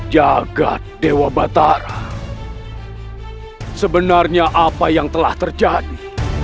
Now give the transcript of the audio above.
jaga dewa batara sebenarnya apa yang telah terjadi